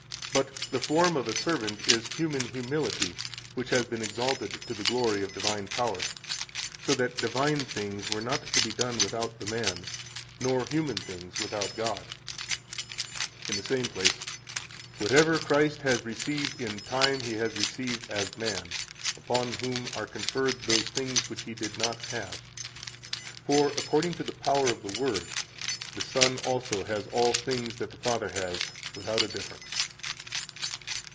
But the form of a servant is human humility, which has been exalted to the glory of divine power, so that divine things were not to be done without the man, nor human things without God." 61 In the same place: "Whatever Christ has received in time He has received as man, upon whom are conferred those things which He did not have. For, according to the power of the Word, the Son also has all things that the Father has, without a difference."